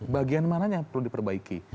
bagian mananya yang perlu diperbaiki